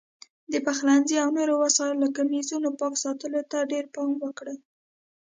د پخلنځي او نورو وسایلو لکه میزونو پاک ساتلو ته ډېر پام وکړئ.